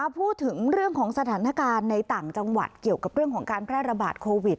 พูดถึงเรื่องของสถานการณ์ในต่างจังหวัดเกี่ยวกับเรื่องของการแพร่ระบาดโควิด